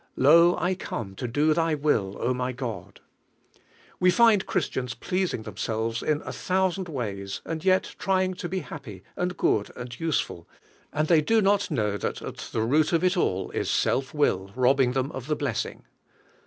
"Lo, I come to do Thy will, oh, my God!" We find Christians pleasing themselves in a thousand ways, and yet trying to be happy, and good, and useful; and they do not know that at the root of it all is self will robbing them of the blessing.